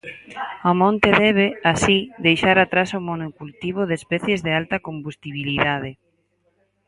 O monte debe, así, deixar atrás o monocultivo de especies de alta combustibilidade.